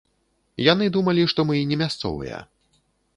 Яны думалі, што мы не мясцовыя!